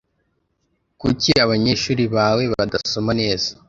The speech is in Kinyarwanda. Kuki abanyeshuri bawe badasoma neza